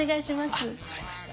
あっ分かりました。